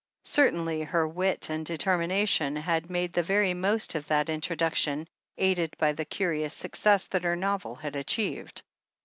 Certainly, her wit and determination had made the very most of that introduction, aided by the curious success that her novel had achieved.